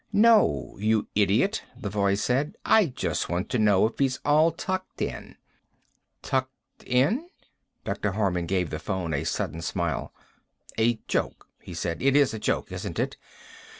"No, you idiot," the voice said. "I just want to know if he's all tucked in." "Tucked in?" Dr. Harman gave the phone a sudden smile. "A joke," he said. "It is a joke, isn't it?